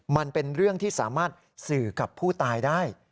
มันเป็นเรื่องที่สามารถสื่อกับผู้ตายได้